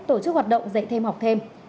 tổ chức hoạt động dạy thêm học thêm